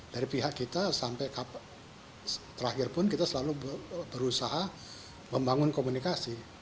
dari pihak kita sampai terakhir pun kita selalu berusaha membangun komunikasi